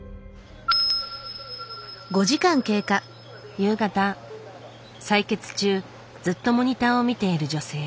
夕方採血中ずっとモニターを見ている女性。